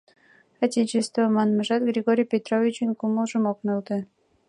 «Отечество» манмыжат Григорий Петровичын кумылжым ок нӧлтӧ...